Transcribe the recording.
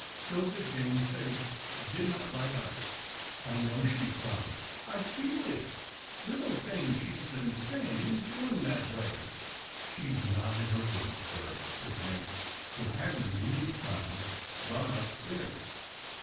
'Tilda Jane's face did not light up. I know she's gone. I feel it. Little things she's been saying and doing point that way." " She's not in her room, sir," said Hank, who had, in the meantime, run upstairs.